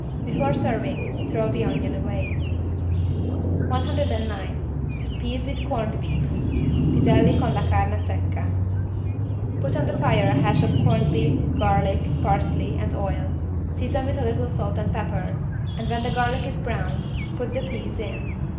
Before serving, throw the onion away. 109 PEAS WITH CORNED BEEF (Piselli con la carne secca) Put on the fire a hash of corned beef, garlic, parsley and oil, season with a little salt and pepper and when the garlic is browned, put the peas in.